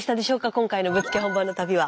今回のぶっつけ本番の旅は。